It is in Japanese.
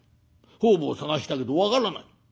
方々捜したけど分からない。